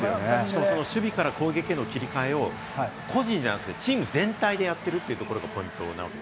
守備から攻撃までの切り替えを個人じゃなくてチーム全体でやってるというところがポイントなんですね。